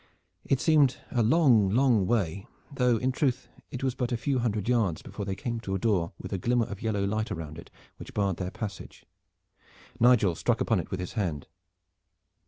It seemed a long, long way, though in truth it was but a few hundred yards before they came to a door with a glimmer of yellow light around it, which barred their passage. Nigel struck upon it with his hand.